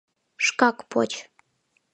Шкак поч.